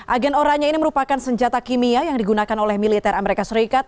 agen oranya ini merupakan senjata kimia yang digunakan oleh militer amerika serikat